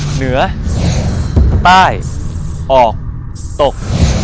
เหนือใต้ออกตก